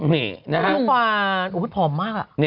นึกว่าพอมมาก